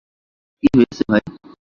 তোমার কী হয়েছে, ভাই?